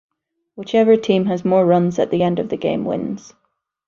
Whichever team has more runs at the end of the game wins.